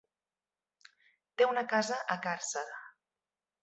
Té una casa a Càrcer.